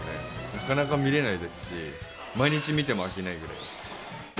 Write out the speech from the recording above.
なかなか見れないですし、毎日見ても飽きないぐらい。